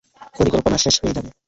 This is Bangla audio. পরিকল্পনা শেষ হয়ে যাবে।